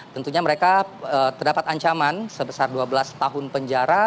tentunya mereka terdapat ancaman sebesar dua belas tahun penjara